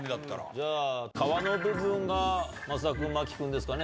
じゃあ皮の部分が増田君真木君ですかね。